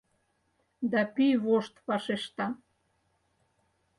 Да пӱй вошт вашешта: